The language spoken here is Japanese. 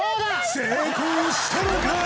成功したのか！？